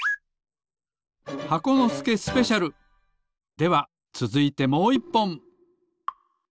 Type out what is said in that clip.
ではつづいてもう１ぽん。